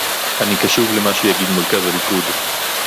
אני קשוב למה שיגיד מרכז הליכוד